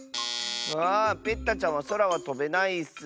あペッタちゃんはそらはとべないッス。